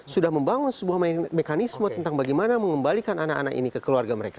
sudah membangun sebuah mekanisme tentang bagaimana mengembalikan anak anak ini ke keluarga mereka